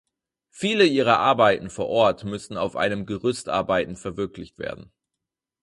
Viele ihrer Arbeiten vor Ort müssen auf einem Gerüst arbeitend verwirklicht werden.